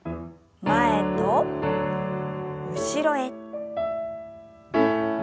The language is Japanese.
前と後ろへ。